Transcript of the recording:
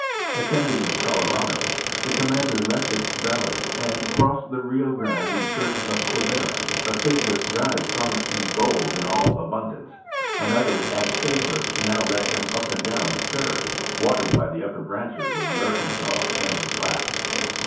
Ascending the Colorado, the com mander left its valley and crossed the Kio Grande in search ofQuivira; a faithless guide promised him gold in all abun dance, and othere as faithless now led him up and down the prairies watered by the upper branches of the Arkansas and Platte.